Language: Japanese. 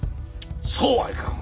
そうはいかん！